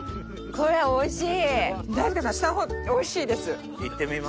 これおいしい！